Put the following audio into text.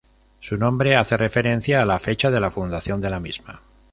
Su nombre hace referencia a la fecha de la fundación de la misma.